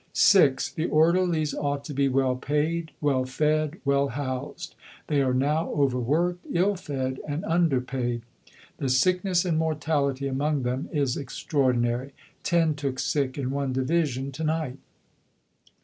(6) The Orderlies ought to be well paid, well fed, well housed. They are now overworked, ill fed, and underpaid. The sickness and mortality among them is extraordinary ten took sick in one Division to night....